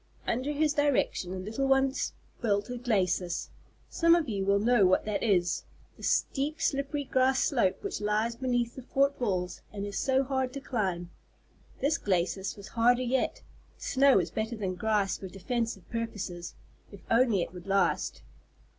Under his direction the little ones built a glacis. Some of you will know what that is, the steep slippery grass slope which lies beneath the fort walls and is so hard to climb. This glacis was harder yet snow is better than grass for defensive purposes if only it would last.